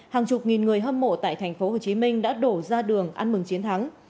hàng chục nghìn người hâm mộ tại tp hcm đã đổ ra đường ăn mừng chiến thắng